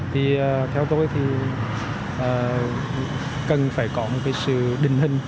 thì theo tôi thì cần phải có một cái sự định hình